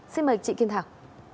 xin mời chị kim thảo